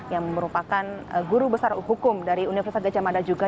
yang merupakan guru besar hukum dari universitas gajah mada juga